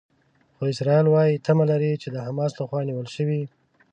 خو اسرائیل وايي تمه لري چې د حماس لخوا نیول شوي.